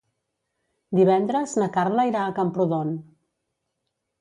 Divendres na Carla irà a Camprodon.